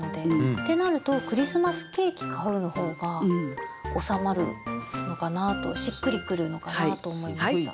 ってなると「クリスマスケーキ買ふ」の方が収まるのかなとしっくりくるのかなと思いました。